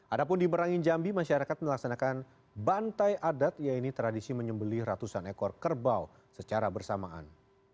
ada pun di merangin jambi masyarakat melaksanakan bantai adat yaitu tradisi menyembeli ratusan ekor kerbau secara bersamaan